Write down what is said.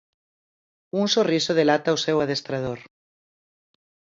Un sorriso delata o seu adestrador.